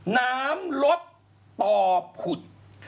น้ำลดต่อผุด